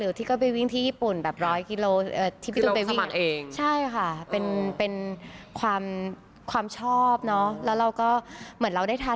หรือที่ก็ไปวิ่งที่ญี่ปุ่นแบบ๑๐๐กิโลเมตร